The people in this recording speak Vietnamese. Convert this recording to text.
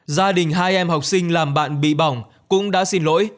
gia đình hai em học sinh làm bạn bị bỏng cũng đã xin lỗi